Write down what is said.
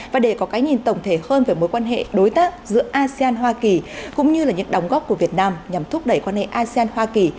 và để có cái nhìn tổng thể hơn về mối quan hệ đối tác giữa asean hoa kỳ cũng như là những đóng góp của việt nam nhằm thúc đẩy quan hệ asean hoa kỳ